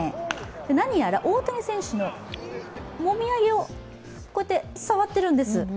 何やら大谷選手のもみあげを触っているんです。